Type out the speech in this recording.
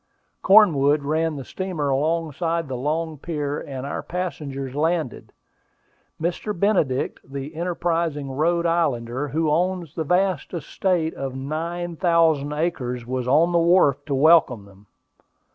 Cornwood ran the steamer alongside the long pier, and our passengers landed. Mr. Benedict, the enterprising Rhode Islander who owns the vast estate of nine thousand acres, was on the wharf to welcome them.